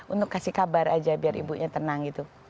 untuk kasih kabar aja biar ibunya tenang gitu